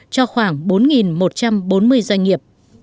cho khoảng bốn một trăm bốn mươi doanh nghiệp